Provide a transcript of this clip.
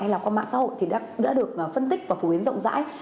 hay là qua mạng xã hội thì đã được phân tích và phổ biến rộng rãi